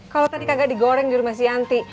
kalo tadi kagak digoreng di rumah si yanti